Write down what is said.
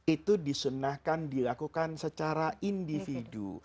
itu disunnahkan dilakukan secara individu